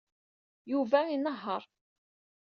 Yuba inehheṛ.